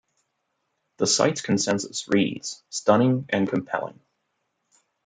The site's consensus reads, Stunning and compelling.